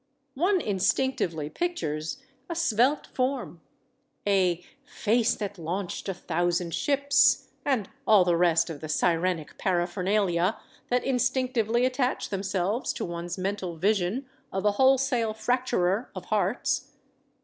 One instinctively pictures a svelte form, a "face that launched a thou sand ships," and all the rest of the sirenic paraphernalia that instinctively attach themselves to one's mental vision of a wholesale fracturer of hearts.